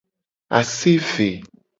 Ase eve.